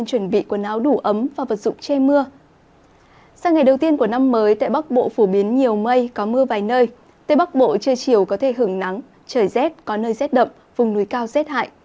tây bắc bộ phổ biến nhiều mây có mưa vài nơi tây bắc bộ trời chiều có thể hưởng nắng trời rét có nơi rét đậm vùng núi cao rét hại